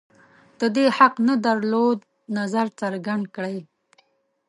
د دې حق نه درلود نظر څرګند کړي